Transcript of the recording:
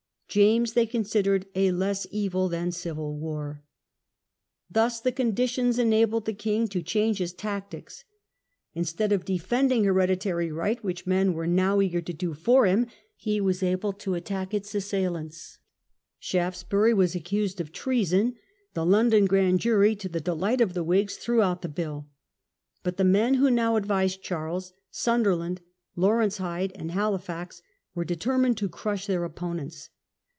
James they considered a less evil than civil war. Thus the conditions enabled the king to change his tactics. Instead of defending hereditary right, which men Atuck on ^^^^^^^ eager to do for him, he was able to Shaftesbury, attack its assailants. Shaftesbury was accused ^^^' of treason. The London grand jury, to the delight of the Whigs, threw out the bill. But the men who now advised Charles — Sunderland, Lawrence Hyde, and Halifax — ^were determined to crush their opponents.